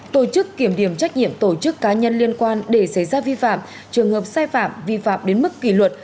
tổ chức kiểm điểm trách nhiệm tổ chức cá nhân liên quan để xảy ra vi phạm trường hợp sai phạm vi phạm đến mức kỷ luật